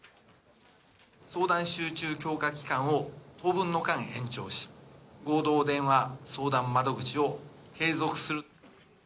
相談集中強化期間を当分の間、延長し、合同電話相談窓口を継続する。